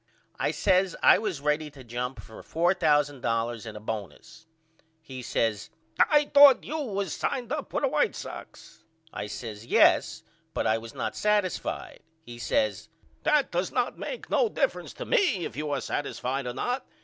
I says I was ready to jump for $4000 and a bonus. He says I thought you was signed up with the White Sox. I says Yes I was but I was not satisfied. He says That does not make no difference to me if you are satisfied or not.